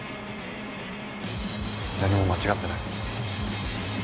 何も間違ってない。